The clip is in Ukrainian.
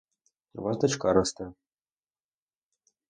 У вас дочка росте.